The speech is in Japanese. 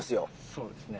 そうですね。